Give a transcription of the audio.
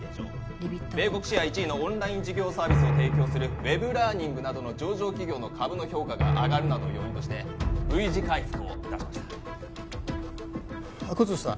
・米国シェア１位のオンライン授業サービスを提供するＷｅｂラーニングなどの上場企業の株の評価が上がるなどを要因としてＶ字回復をいたしました阿久津さん